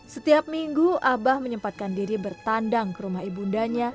setiap minggu abah menyempatkan diri bertandang ke rumah ibu undanya